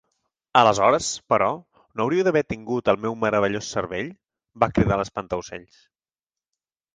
"Aleshores, però, no hauria d'haver tingut el meu meravellós cervell", va cridar l'Espantaocells.